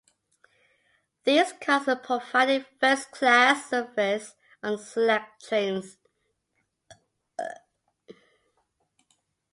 These cars provided first class service on select trains.